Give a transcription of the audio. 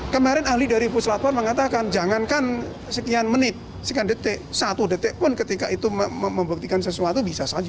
kemarin ahli dari pusladwan mengatakan jangankan sekian menit sekian detik satu detik pun ketika itu membuktikan sesuatu bisa saja